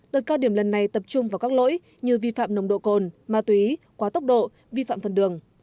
đợt cao điểm lần này tập trung vào các lỗi như vi phạm nồng độ cồn ma túy quá tốc độ vi phạm phần đường